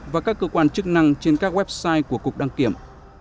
và các cơ quan chức năng trên các website của cục đăng kiểm